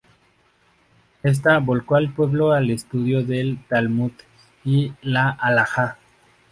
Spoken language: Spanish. Esto volcó al pueblo al estudio del Talmud y la Halajá.